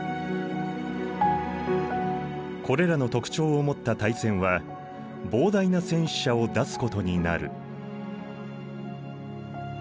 これらの特徴を持った大戦は膨大な戦死者を出すことになる。